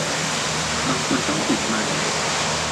บางคนต้องปิดมัน